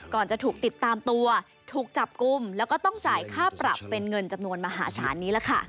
จะถูกติดตามตัวถูกจับกลุ่มแล้วก็ต้องจ่ายค่าปรับเป็นเงินจำนวนมหาศาลนี้ล่ะค่ะ